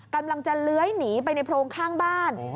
กำลังจะเลื้อยหนีไปในโพรงข้างบ้าน